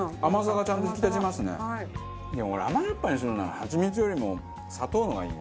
でも俺甘じょっぱにするならハチミツよりも砂糖の方がいいな。